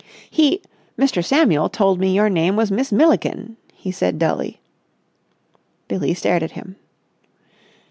"He—Mr. Samuel—told me your name was Miss Milliken," he said dully. Billie stared at him.